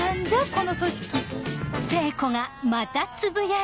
この組織